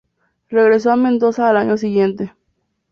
Regresó a Mendoza al año siguiente.